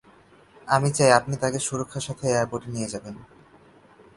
আমি চাই আপনি তাকে সুরক্ষার সাথে এয়ারপোর্টে নিয়ে যাবেন।